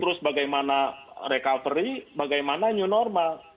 terus bagaimana recovery bagaimana new normal